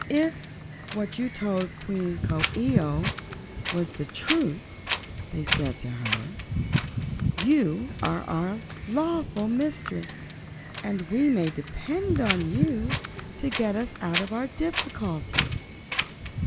"If what you told Queen Coo ee oh was the truth," they said to her, "you are our lawful mistress, and we may depend on you to get us out of our difficulties."